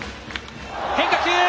変化球！